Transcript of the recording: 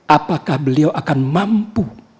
apakah beliau akan mampu